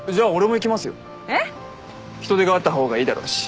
人手があった方がいいだろうし。